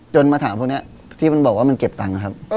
มาถามพวกนี้ที่มันบอกว่ามันเก็บตังค์นะครับ